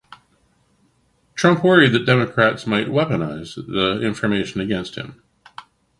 Trump worried that Democrats might "weaponize" the information against him.